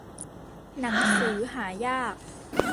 หนังสือหายาก